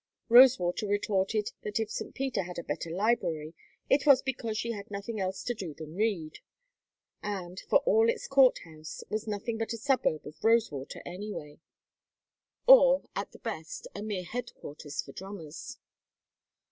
Rosewater retorted that if St. Peter had a better library it was because she had nothing else to do than read, and, for all its court house, was nothing but a suburb of Rosewater, anyway; or at the best a mere headquarters for drummers.